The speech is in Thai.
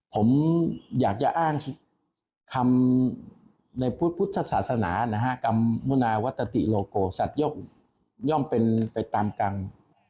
ผมอยากจะอ้างคำในพุทธศาสนานะฮะกรรมมุนาวัตติโลโกสัตยกย่อมเป็นไปตามกรรม